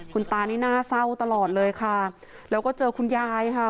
คุณตานี่น่าเศร้าตลอดเลยค่ะแล้วก็เจอคุณยายค่ะ